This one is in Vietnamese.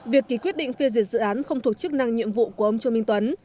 việc ký quyết định phiêu diệt dự án không thuộc chức năng nhiệm vụ của ông trương minh tuấn